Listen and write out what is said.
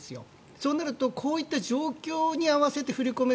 そうなるとこういった状況に合わせて振り込め